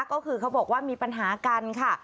ก็คือเขาบอกว่ามีปัญหากันค่ะ